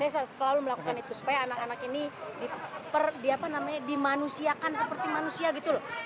saya selalu melakukan itu supaya anak anak ini dimanusiakan seperti manusia gitu loh